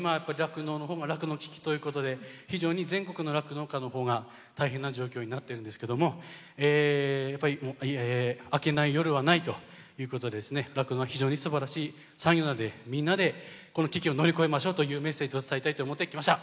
酪農危機ということで非常に全国の酪農家の方が大変な状況になっているんですけども明けない夜はないということで酪農、非常にすばらしい産業なのでみんなで、この危機を乗り越えましょうというメッセージを伝えたいと思って来ました。